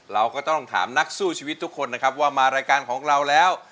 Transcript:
เราก็ต้องถามนักสู้ชีวิตทุกคนนะครับว่ามารายการของเราแล้ว